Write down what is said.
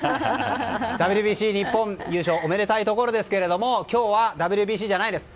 ＷＢＣ日本、優勝おめでたいところですが今日はＷＢＣじゃないです。